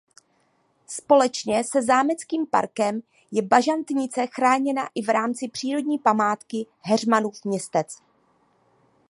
Společně se zámeckým parkem je Bažantnice chráněna i v rámci přírodní památky Heřmanův Městec.